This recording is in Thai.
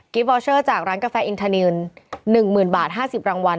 กิฟต์วอร์เชอร์จากร้านกาแฟอินทานินรางวัลละ๑๐๐๐๐บาท๕๐รางวัล